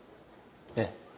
ええ。